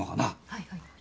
はいはい。